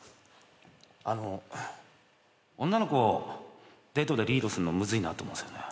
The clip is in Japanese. あの女の子をデートでリードするのむずいなと思うんですよね。